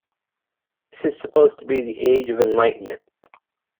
This is supposed to be the age of enlightenment.